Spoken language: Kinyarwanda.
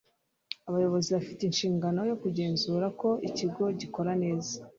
abayobozi bafite inshingano yo kugenzura ko ikigo gikora neza